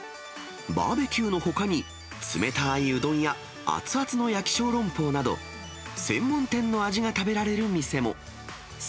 バーベキューのほかに、冷たいうどんや、熱々の焼き小籠包など、専門店の味が食べられる店も。